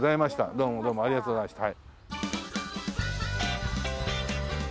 どうもどうもありがとうございました。